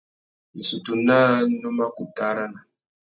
Issutu naā nu mà kutu arana.